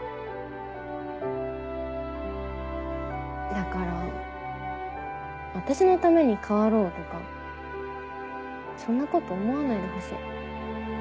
だから私のために変わろうとかそんなこと思わないでほしい。